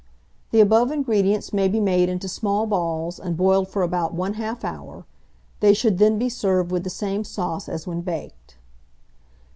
The above ingredients may be made into small balls, and boiled for about 1/2 hour; they should then be served with the same sauce as when baked.